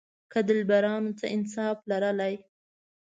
که دلبرانو څه انصاف لرلای.